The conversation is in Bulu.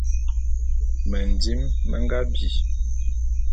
Mendim me nga bi.